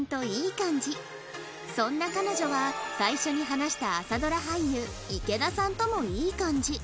そんな彼女は最初に話した朝ドラ俳優池田さんともいい感じ